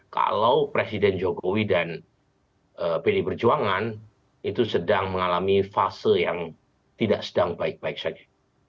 kalau presiden jokowi dan pdi perjuangan itu sedang mengalami fase yang tidak sedang baik baik saja